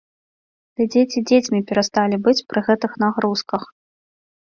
Ды дзеці дзецьмі перасталі быць пры гэтых нагрузках!